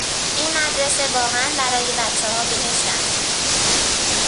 این مدرسه واقعا برای بچهها بهشت است.